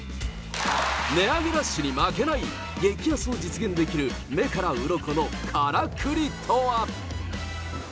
値上げラッシュに負けない激安を実現できる、目からうろこのからくりとは。